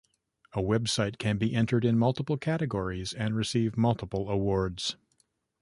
A website can be entered in multiple categories and receive multiple awards.